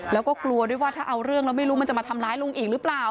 แล้วก็กลัวด้วยว่าถ้าเอาเรื่องแล้วไม่รู้มันจะมาทำร้ายลุงอีกหรือเปล่า